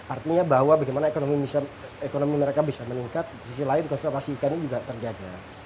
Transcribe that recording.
artinya bahwa bagaimana ekonomi mereka bisa meningkat di sisi lain konservasi ikan ini juga terjaga